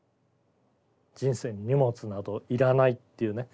人生に荷物など要らないっていうね